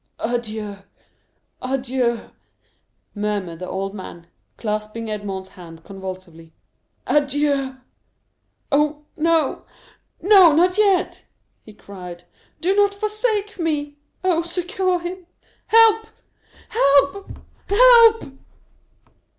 "Adieu, adieu!" murmured the old man, clasping Edmond's hand convulsively—"adieu!" "Oh, no,—no, not yet," he cried; "do not forsake me! Oh, succor him! Help—help—help!"